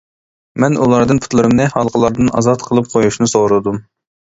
مەن ئۇلاردىن پۇتلىرىمنى ھالقىلاردىن ئازاد قىلىپ قويۇشنى سورىدىم.